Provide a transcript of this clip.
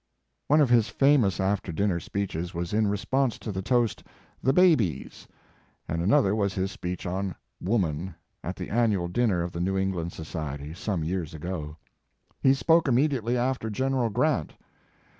; One of his famous after dinner speeches was in response to the toast, The Babies, " and another was his speech on * Woman," at the annual dinner of the New England Society, some years ago. He spoke im mediately after General Grant.